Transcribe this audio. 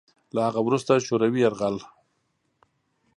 له هغه وروسته شوروي یرغل